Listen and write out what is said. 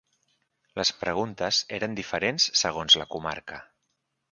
Les preguntes eren diferents segons la comarca.